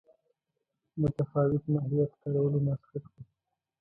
متفاوت ماهیت کارولو مسخه کړو.